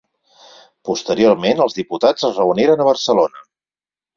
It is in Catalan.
Posteriorment els diputats es reuniren a Barcelona.